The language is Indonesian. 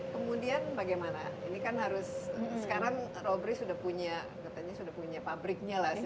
kemudian bagaimana ini kan harus sekarang robri sudah punya katanya sudah punya pabriknya lah